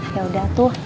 ya udah tuh